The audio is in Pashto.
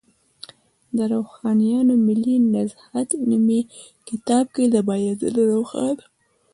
د روښانیانو ملي نهضت نومي کتاب کې، د بایزید روښان